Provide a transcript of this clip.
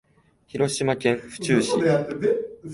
広島県府中市